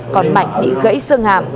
còn mạnh bị gãy sương hạm